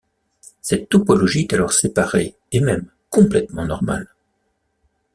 Cette topologie est alors séparée et même complètement normale.